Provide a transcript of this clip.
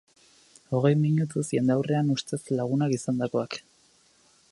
Hogei minutuz jendaurrean ustez lagunak izandakoak.